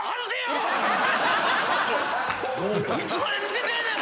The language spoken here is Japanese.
いつまでつけてんねん。